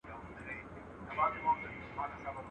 په خوښۍ د مدرسې پر لور روان وه !.